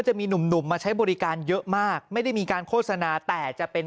จะมีหนุ่มมาใช้บริการเยอะมากไม่ได้มีการโฆษณาแต่จะเป็น